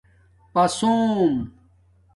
پسُوم